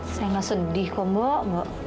saya gak sedih kok bu